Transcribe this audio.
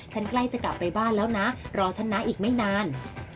ใกล้จะกลับไปบ้านแล้วนะรอฉันนะอีกไม่นาน